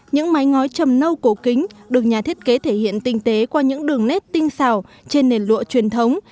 những mái ngói trầm nâu cổ kính được nhà thiết kế thể hiện tinh tế qua những đường nét tinh xào trên nền lụa truyền thống